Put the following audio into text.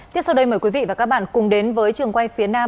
tiếp sau đây mời quý vị và các bạn cùng đến với trường quay phía nam